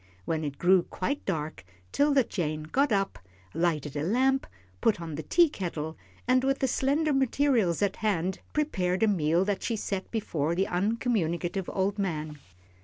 When it grew quite dark 'Tilda Jane got up, lighted a lamp, put on the teakettle, and with the slender materials at hand prepared a meal that she set before the uncommunicative old man.